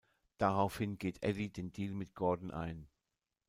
Daraufhin geht Eddie den Deal mit Gordon ein.